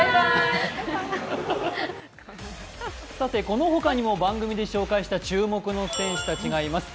この他にも番組で紹介した注目の選手がいます。